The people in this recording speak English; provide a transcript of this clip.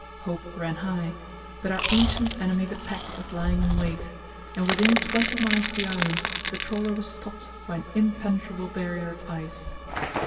Hope ran high; but our ancient enemy the pack was lying in wait, and within twenty miles of the island the trawler was stopped by an impenetrable barrier of ice.